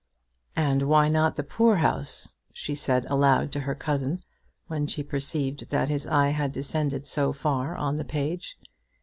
"And why not the poor house?" she said, aloud to her cousin, when she perceived that his eye had descended so far on the page.